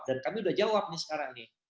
dan kami udah jawab nih sekarang nih